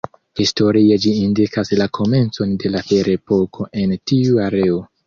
Historie ĝi indikas la komencon de la ferepoko en tiu areo.